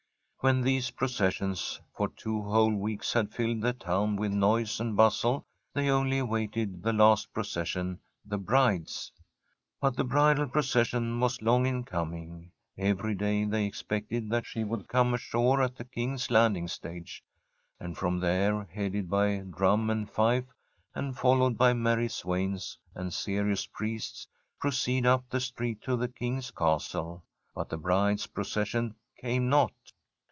When these processions for two whole weeks had filled the town with noise and bustle they only awaited the last procession, the bride's. But the bridal procession was long in coming. Every day they expected that she would come ashore at the King's Landing Stage, and from there, headed by drum and fife, and followed by merry swains and serious priests, proceed up the street to the King's Castle. But the bride's pro cession came not.